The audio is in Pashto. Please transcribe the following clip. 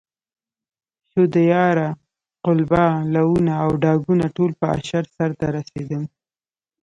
شودیاره، قلبه، لوونه او ډاګونه ټول په اشر سرته رسېدل.